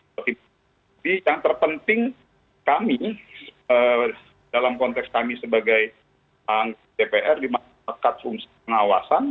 jadi yang terpenting kami dalam konteks kami sebagai angkut dpr di masyarakat fungsi pengawasan